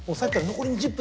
残り２０分？